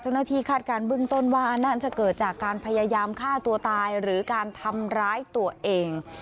คาดการณ์เบื้องต้นว่าน่าจะเกิดจากการพยายามฆ่าตัวตายหรือการทำร้ายตัวเอง